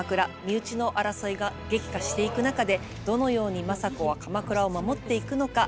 身内の争いが激化していく中でどのように政子は鎌倉を守っていくのか。